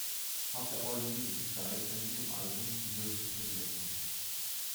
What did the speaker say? Auch der All Music Guide verlieh dem Album die höchste Bewertung.